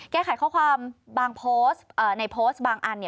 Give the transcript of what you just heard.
แก้ไขข้อความในโพสต์บางอัน